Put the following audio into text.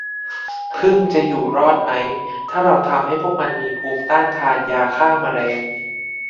ผึ้งจะอยู่รอดไหมถ้าเราทำให้พวกมันมีภูมิต้นทานยาฆ่าแมลง